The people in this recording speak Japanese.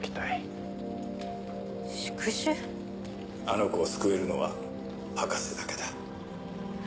あの子を救えるのは博士だけだ。